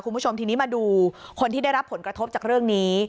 คุณผู้ชมทีนี้มาดูคนที่ได้รับผลกระทบจากเรื่องนี้